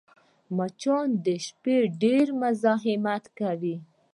مچان د شپې ډېر مزاحمت کوي